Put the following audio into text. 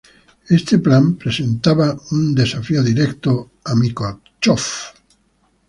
Este plan presentaba un desafío directo a Microsoft.